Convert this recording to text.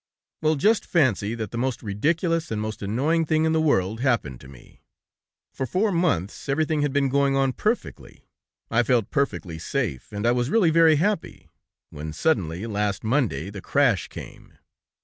"Well, just fancy that the most ridiculous and most annoying thing in the world happened to me. For four months everything had been going on perfectly; I felt perfectly safe, and I was really very happy, when suddenly, last Monday, the crash came.